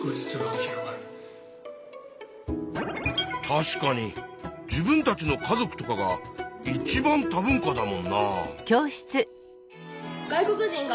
確かに自分たちの家族とかがいちばん多文化だもんな。